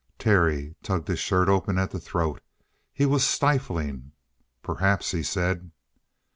Terry tugged his shirt open at the throat; he was stifling. "Perhaps," he said.